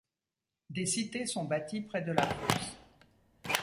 Des cités sont bâties près de la fosse.